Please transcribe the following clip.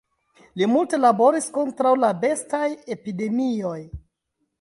Li multe laboris kontraŭ la bestaj epidemioj.